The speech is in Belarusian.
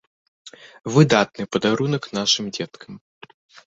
Выдатны падарунак нашым дзеткам!